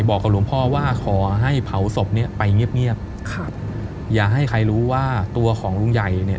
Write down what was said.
บอกกับหลวงพ่อว่าขอให้เผาศพเนี้ยไปเงียบเงียบครับอย่าให้ใครรู้ว่าตัวของลุงใหญ่เนี่ย